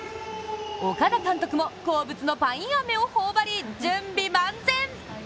岡田監督も、好物のパインアメを頬ばり、準備万全。